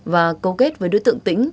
và câu kết với đối tượng tỉnh